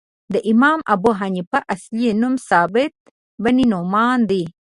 د امام ابو حنیفه اصلی نوم ثابت بن نعمان دی .